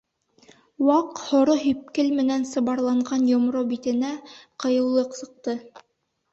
Ваҡ һоро һипкел менән сыбарланған йомро битенә ҡыйыулыҡ сыҡты.